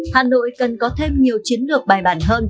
hà nội cần có thêm nhiều trường